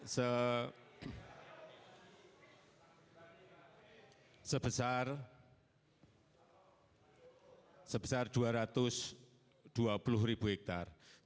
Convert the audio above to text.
sebesar dua ratus dua puluh ribu hektare